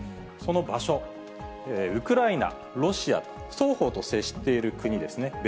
その場所、ウクライナ、ロシア、双方と接している国ですね。